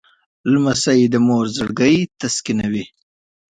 لمسی د مور زړګی تسکینوي.